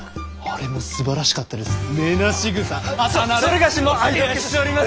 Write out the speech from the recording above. それがしも愛読しております！